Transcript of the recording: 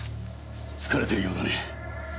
疲れてるようだね。